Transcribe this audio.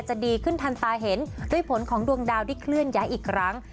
ดีขึ้นทันตาเห็นด้วยผลของดวงดาวที่เคลื่อนย้ายอีกครั้ง